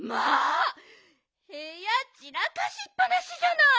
へやちらかしっぱなしじゃない！